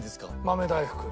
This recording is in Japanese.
豆大福。